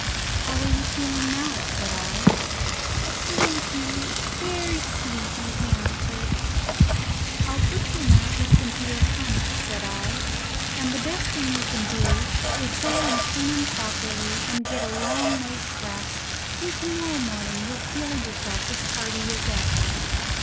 "How are you feeling now?" said I. "Sleepy, very sleepy," he answered. "I'll put your mattress into your hammock," said I, "and the best thing you can do is to go and turn in properly and get a long night's rest, and to morrow morning you'll feel yourself as hearty as ever."